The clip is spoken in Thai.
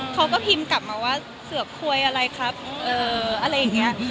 เขาก็พิมพ์กลับมาว่าเสือกคุยอะไรครับอะไรอย่างนี้